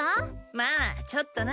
まあちょっとな。